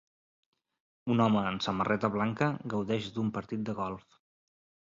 Un home en samarreta blanca gaudeix d'un partit de golf